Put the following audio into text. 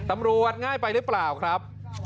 ตำรวจง่ายไปหรือเปล่าครับ